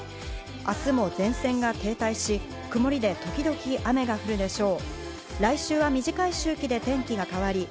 明日も前線が停滞し、曇りで時々雨が降るでしょう。